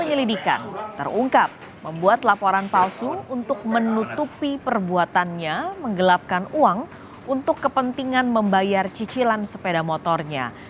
penyelidikan terungkap membuat laporan palsu untuk menutupi perbuatannya menggelapkan uang untuk kepentingan membayar cicilan sepeda motornya